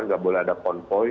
nggak boleh ada konvoy